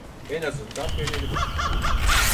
En azından denedim.